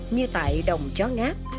như tại đồng chó ngáp